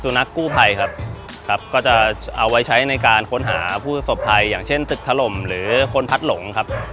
ซู่นักกู้ไพรทบไพรอาจจะเอาไว้ใช้ข้นการหาผู้ศพไพรอย่างเช่นตึกทะลมหรือคนพลัดหลง